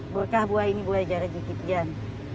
berkah buah ini boleh jarak dikit jan